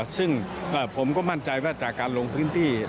ซึ่งผมก็มั่นใจว่าจากการลงพิวเตี้ย์